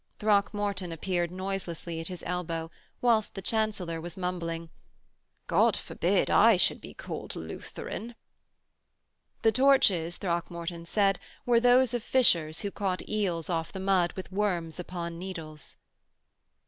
Throckmorton appeared noiselessly at his elbow, whilst the Chancellor was mumbling: 'God forbid I should be called Lutheran.' The torches, Throckmorton said, were those of fishers who caught eels off the mud with worms upon needles.